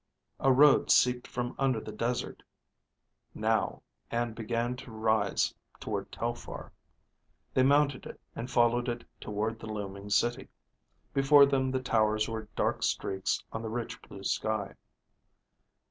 A road seeped from under the desert, now, and began to rise toward Telphar. They mounted it and followed it toward the looming city. Before them the towers were dark streaks on the rich blue sky.